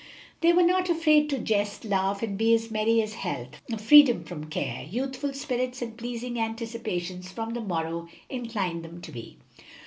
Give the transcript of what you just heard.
They were not afraid to jest, laugh, and be as merry as health, freedom from care, youthful spirits, and pleasing anticipations for the morrow inclined them to be.